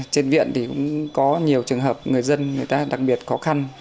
trên viện thì cũng có nhiều trường hợp người dân người ta đặc biệt khó khăn